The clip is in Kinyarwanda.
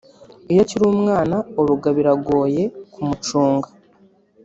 Iyo akiri umwana Olga biragoye kumucunga